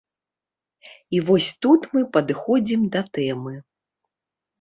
І вось тут мы падыходзім да тэмы.